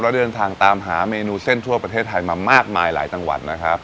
แล้วเดินทางตามหาเมนูเส้นทั่วประเทศไทยมามากมายหลายจังหวัดนะครับ